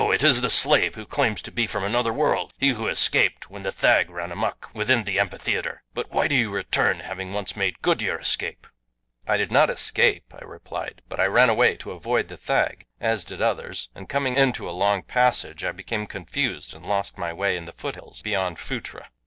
It is the slave who claims to be from another world he who escaped when the thag ran amuck within the amphitheater. But why do you return, having once made good your escape?" "I did not 'escape'," I replied. "I but ran away to avoid the thag, as did others, and coming into a long passage I became confused and lost my way in the foothills beyond Phutra.